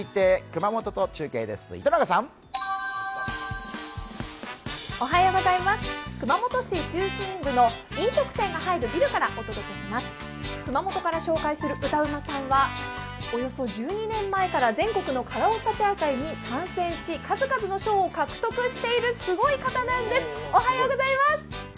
熊本から紹介する歌うまさんはおよそ１２年前から全国のカラオケ大会に参戦し数々の賞を獲得しているすごい方なんです。